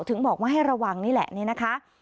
ถึงบอกว่าให้ระวังนี่แหละนี่นะคะ